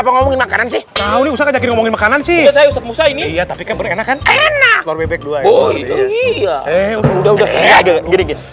ngomongin makanan sih kamu bisa ngomongin makanan sih saya usap musah ini ya tapi keberanakan enak